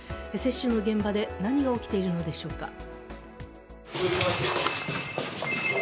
接種の現場で何が起きているのでしょうか。